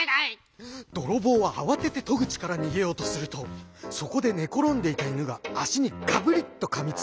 どろぼうはあわててとぐちからにげようとするとそこでねころんでいたイヌがあしにガブリッとかみつきました。